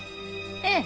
ええ。